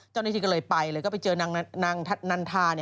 เจ้านาธิก็เลยไปเลยก็ไปเจอนางนันทาไหน